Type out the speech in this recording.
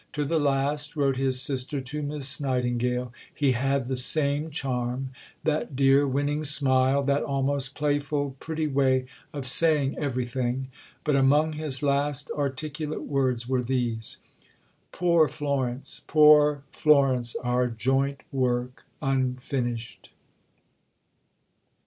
"To the last," wrote his sister to Miss Nightingale, "he had the same charm, that dear winning smile, that almost playful, pretty way of saying everything." But among his last articulate words were these: "Poor Florence! Poor Florence! Our joint work unfinished."